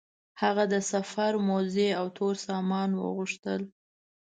هغه د سفر موزې او تور سامان وغوښتل.